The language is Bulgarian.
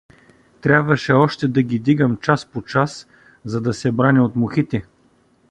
Трябваше още да ги дигам час по час, за да се браня от мухите.